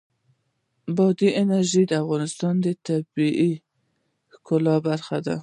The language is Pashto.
بادي انرژي د افغانستان د طبیعت د ښکلا برخه ده.